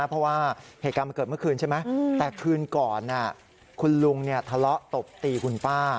เพราะว่าเหตุการณ์มันเกิดเมื่อคืนใช่ไหมแต่คืนก่อนคุณลุงทะเลาะตบตีคุณป้า